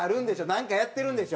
なんかやってるんでしょ？